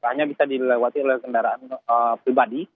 hanya bisa dilewati oleh kendaraan pribadi